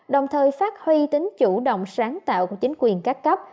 đồng thời phát huy tính chủ động sáng tạo của chính quyền các cấp